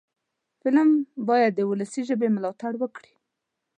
فلم باید د ولسي ژبې ملاتړ وکړي